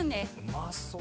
うまそう。